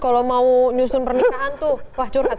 kalau mau nyusun pernikahan tuh wah curhat